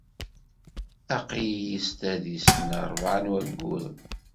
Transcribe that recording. Aql-iyi s tadist n ṛebɛa n wayyuren.